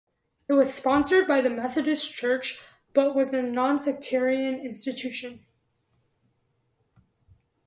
It was sponsored by the Methodist Church but was a non-sectarian institution.